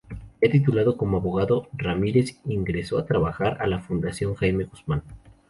Ya titulado como abogado, Ramírez ingresó a trabajar a la Fundación Jaime Guzmán.